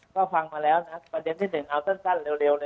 ก็ฟังมาแล้วนะประเด็นที่๑เอาสั้นเร็วเลย